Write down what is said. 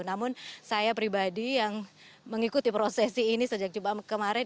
namun saya pribadi yang mengikuti prosesi ini sejak jumat kemarin